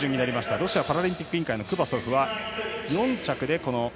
ロシアパラリンピック委員会のクバソフは４着。